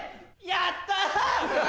やった！